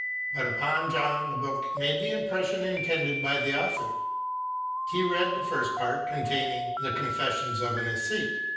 But upon John the book made the impression intended by the author. He read the first part containing "The Confessions of an Æsthete."